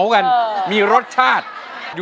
ร้องได้ให้ร้อง